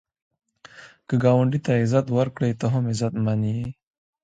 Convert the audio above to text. که ګاونډي ته عزت ورکړې، ته هم عزتمن یې